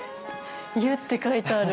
湯って書いてある。